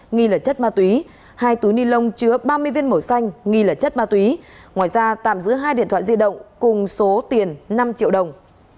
nghi là chất ma túy hai túi ni lông chứa ba mươi viên màu xanh nghi là chất ma túy ngoài ra tạm giữ hai điện thoại di động cùng số tiền năm triệu đồng